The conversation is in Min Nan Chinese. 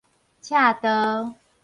赤道